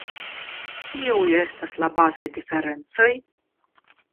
Kiuj estas la bazaj diferencoj?